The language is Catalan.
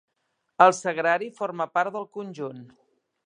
El sagrari forma part del conjunt.